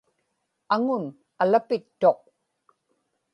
aŋun alapittuq